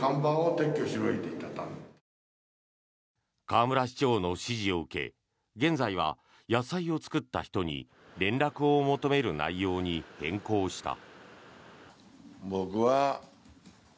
河村市長の指示を受け現在は、野菜を作った人に連絡を求める内容に変更した。